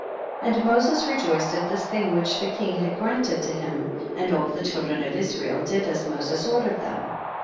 48. And Moses rejoiced at this thing which the king had granted to him, and all the children of Israel did as Moses ordered them.